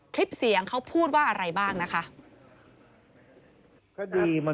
คลิปเสียงเขาพูดว่าอะไรบ้างนะคะ